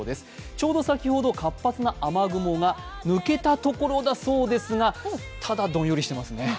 ちょうど先ほど活発な雨雲が抜けたところだそうですがどんよりしていますよね。